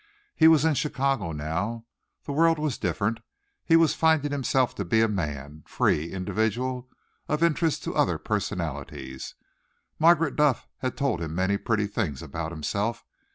He was in Chicago now. The world was different. He was finding himself to be a man, free, individual, of interest to other personalities. Margaret Duff had told him many pretty things about himself.